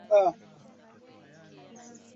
mashimo sita yalitokea katika vyumba vitano